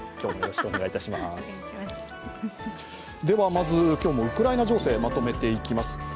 では、まず今日もウクライナ情勢をまとめていきます。